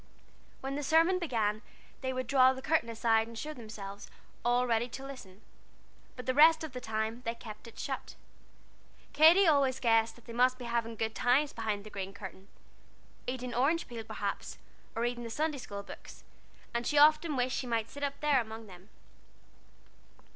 When the sermon began, they would draw the curtain aside and show themselves, all ready to listen, but the rest of the time they kept it shut. Katy always guessed that they must be having good times behind the green curtain eating orange peel, perhaps, or reading the Sunday school books and she often wished she might sit up there among them.